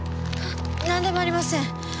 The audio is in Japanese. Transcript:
なんでもありません。